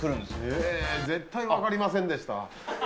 絶対分かりませんでした。